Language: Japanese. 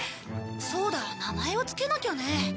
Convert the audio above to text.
そうだ名前を付けなきゃね。